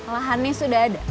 lahannya sudah ada